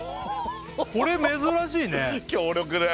これ珍しいね強力だよ